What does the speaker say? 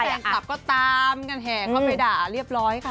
แฟนคลับก็ตามกันแห่เข้าไปด่าเรียบร้อยค่ะ